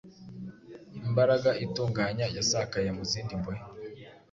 Imbaraga itunganya yasakaye mu zindi mbohe